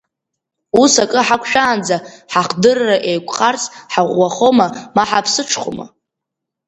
Ус акы ҳақәшәаанӡа, ҳахдырра еиқәхарц, ҳаӷәӷәахома, ма ҳаԥсыҽхома?